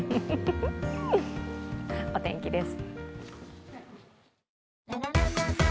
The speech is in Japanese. お天気です。